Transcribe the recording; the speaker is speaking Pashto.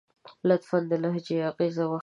لطفاً ، د لهجې اغیز وښایست نه د لغات په بدلون سره!